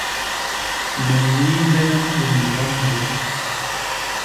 Me nnyiimbene mut nyuñga môô.